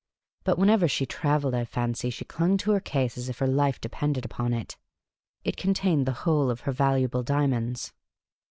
But whenever she travelled, I fancy, she clung to her case as if her life depended upon it ; it con tained the whole of her valuable diamonds.